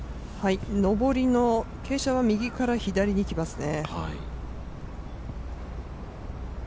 上りの傾斜は右から左にいきますね。